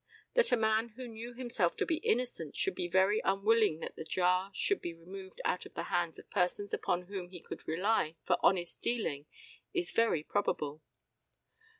That a man who knew himself to be innocent should be very unwilling that the jar should be removed out of the hands of persons upon whom he could rely for honest dealing is very probable.